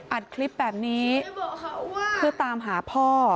อัดคลิปแบบนี้เพื่อตามหาพ่อ